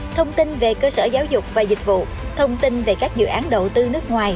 thông tin về cơ sở giáo dục và dịch vụ thông tin về các dự án đầu tư nước ngoài